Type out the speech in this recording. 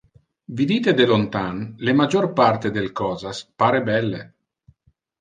Vidite de lontan, le major parte del cosas pare belle.